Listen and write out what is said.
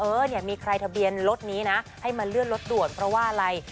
เออเนี่ยมีใครทะเบียนรถนี้นะให้มาเลื่อนรถด่วนเพราะว่าอะไร